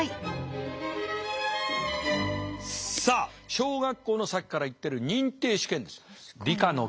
さあ小学校のさっきから言ってる認定試験です。